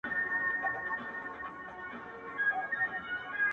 ته به مي شړې خو له ازل سره به څه کوو؟!